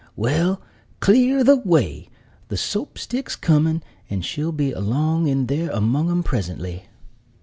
"Well, clear the way! the Soap stick's coming, and she'll be along in there among 'em presently."